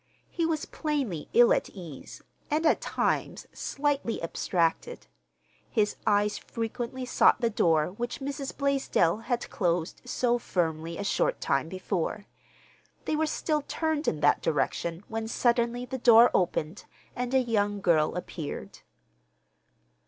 He was plainly ill at ease, and, at times, slightly abstracted. His eyes frequently sought the door which Mrs. Blaisdell had closed so firmly a short time before. They were still turned in that direction when suddenly the door opened and a young girl appeared.